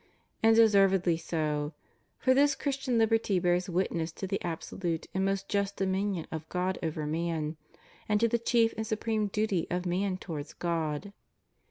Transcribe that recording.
And deservedly so; for this Christian liberty bears witness to the absolute and most just dominion of God over man, and to the chief and supreme duty of man towards God.